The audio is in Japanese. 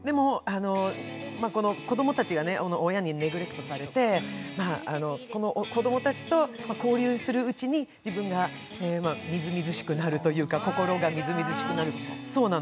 子供たちが親にネグレクトされて、子供たちと交流するうちに、自分がみずみずしくなるというか心がみずみずしくなる。